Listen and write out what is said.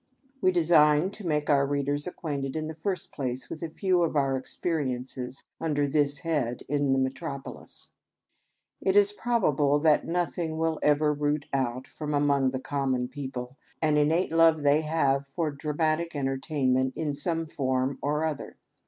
We design to make our readers acquainted in the first place with a few of our experiences under this head in the metropolis. It is probable that nothing will ever root out from among the common people an innate love they have for dramatic entertainment ia some form or other.